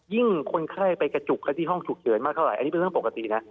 คนไข้ไปกระจุกกันที่ห้องฉุกเฉินมากเท่าไหอันนี้เป็นเรื่องปกตินะ